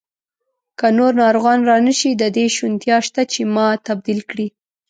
که نور ناروغان را نه شي، د دې شونتیا شته چې ما تبدیل کړي.